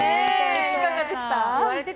いかがでした？